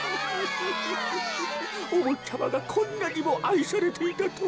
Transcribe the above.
おぼっちゃまがこんなにもあいされていたとは。